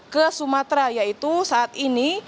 ke sumatera yaitu saat ini